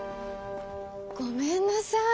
ごめんなさい。